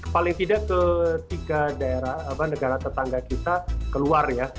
paling tidak ketiga daerah negara tetangga kita keluar ya